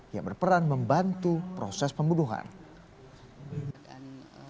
yang berperan membantu proses pembunuhan